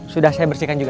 sudah saya bersihkan juga